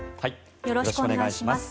よろしくお願いします。